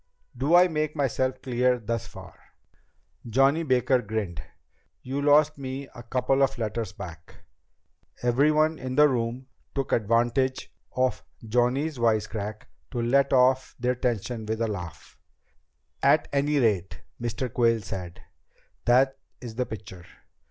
"Do I make myself clear thus far?" Johnny Baker grinned. "You lost me a couple of letters back." Everyone in the room took advantage of Johnny's wisecrack to let off their tension with a laugh. "At any rate," Mr. Quayle said, "that is the picture.